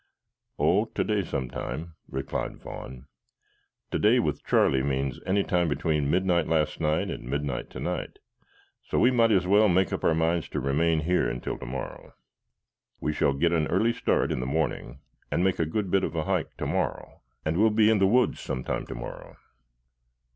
"Oh, today sometime," replied Vaughn. "Today with Charlie means any time between midnight last night and midnight tonight, so we might as well make up our minds to remain here until tomorrow. We shall get an early start in the morning and make a good bit of a hike tomorrow, and we'll be in the woods some time tomorrow."